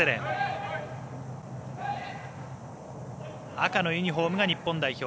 赤のユニフォームが日本代表。